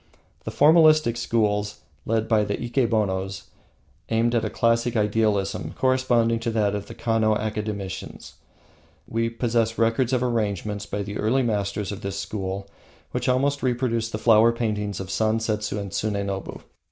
The Formalistic schools, led by the Ikenobos, aimed at a classic idealism corresponding to that of the Kano academicians. We possess records of arrangements by the early masters of the school which almost reproduce the flower paintings of Sansetsu and Tsunenobu.